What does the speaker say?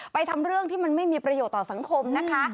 ทำเรื่องที่มันไม่มีประโยชน์ต่อสังคมนะคะ